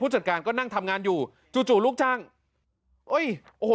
จัดการก็นั่งทำงานอยู่จู่จู่ลูกจ้างเอ้ยโอ้โห